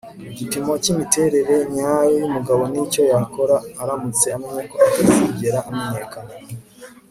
igipimo cyimiterere nyayo yumugabo nicyo yakora aramutse amenye ko atazigera amenyekana